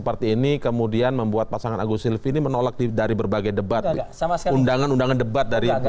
seperti ini kemudian membuat pasangan agus silvi ini menolak dari berbagai debat sama undangan undangan debat dari